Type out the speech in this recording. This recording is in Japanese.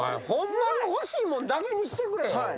ホンマに欲しいもんだけにしてくれよ。